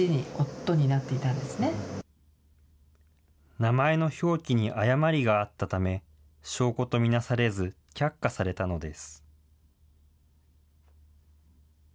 名前の表記に誤りがあったため、証拠と見なされず、却下されたのです。